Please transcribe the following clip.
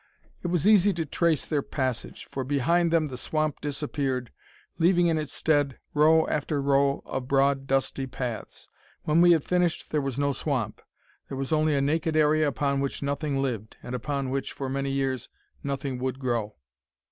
It was easy to trace their passage, for behind them the swamp disappeared, leaving in its stead row after row of broad, dusty paths. When we had finished there was no swamp: there was only a naked area upon which nothing lived, and upon which, for many years, nothing would grow.